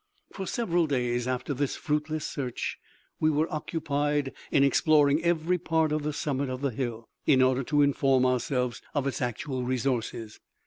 For several days after this fruitless search we were occupied in exploring every part of the summit of the hill, in order to inform ourselves of its actual resources.